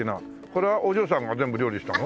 これはお嬢さんが全部料理したの？